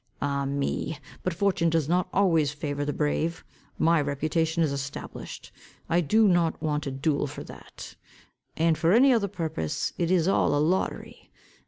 Ah, me! but fortune does not always favour the brave. My reputation is established. I do not want a duel for that. And for any other purpose, it is all a lottery.